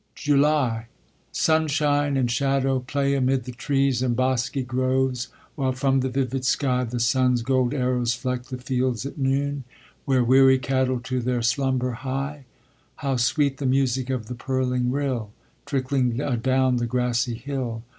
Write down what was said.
JULY Sunshine and shadow play amid the trees In bosky groves, while from the vivid sky The sun's gold arrows fleck the fields at noon, Where weary cattle to their slumber hie. How sweet the music of the purling rill, Trickling adown the grassy hill!